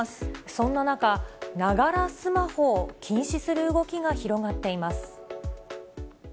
そんな中、ながらスマホを禁止する動きが広がっています。